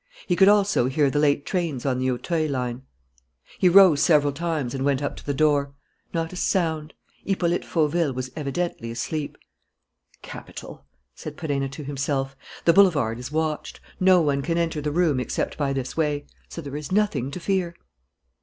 He could also hear the late trains on the Auteuil line. He rose several times and went up to the door. Not a sound. Hippolyte Fauville was evidently asleep. "Capital!" said Perenna to himself. "The boulevard is watched. No one can enter the room except by this way. So there is nothing to fear."